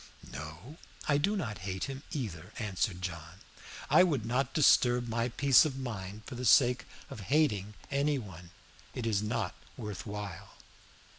"No, I do not hate him either," answered John. "I would not disturb my peace of mind for the sake of hating any one. It is not worth while."